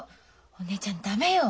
お姉ちゃん駄目よ。